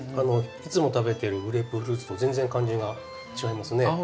いつも食べてるグレープフルーツと全然感じが違いますね。